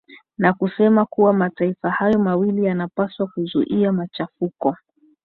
na kusema kuwa mataifa hayo mawili yanapaswa kuzuia machafuko